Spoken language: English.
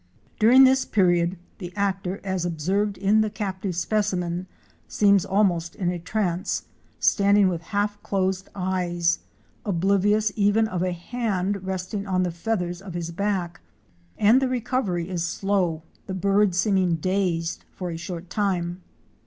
During this period the actor, as observed in the captive specimen, seems almost in a trance, standing with half closed eyes, oblivious even of a hand resting on the feathers of his back, and the recovery is slow, the bird seeming dazed for a short time.